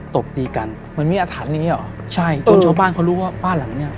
ตบตีกันเหมือนมีอาถรรพ์อะไรอย่างเงี้เหรอใช่จนชาวบ้านเขารู้ว่าบ้านหลังเนี้ย